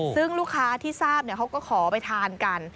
ซึ่งลูกค้าที่ทราบเขาก็ขอไปทานกัน